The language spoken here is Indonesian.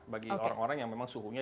bagi orang orang yang memang suhunya